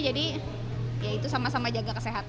jadi ya itu sama sama jaga kesehatan aja